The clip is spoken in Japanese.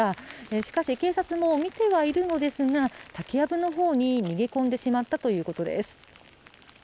しかし警察も見てはいるのですが竹やぶのほうに逃げ込んでしまったということです。